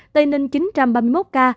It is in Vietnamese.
tây ninh chín trăm ba mươi một ca